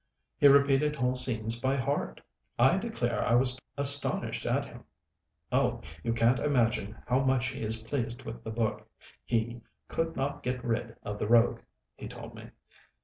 He repeated whole scenes by heart. I declare I was astonished at him. Oh, you can't imagine how much he is pleased with the book; he 'could not get rid of the rogue,' he told me.